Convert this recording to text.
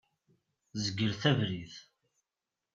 Zegret abrid!